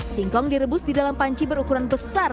singkong direbus di dalam panci berukuran besar